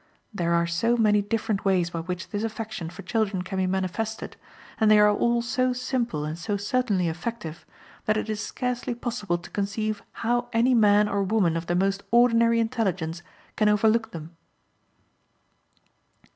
There are so many different ways by which this affection for children can be manifested, and they are all so simple and so certainly effective, that it is scarcely possible to conceive how any man or woman of the most ordinary intelligence can overlook them.